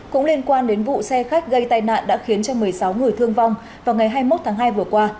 cũng liên quan đến vụ xe khách gây tai nạn đã khiến cho một mươi sáu người thương vong vào ngày hai mươi một tháng hai vừa qua